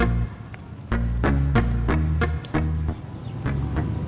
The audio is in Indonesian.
menyaka kita sedang ziarah kubur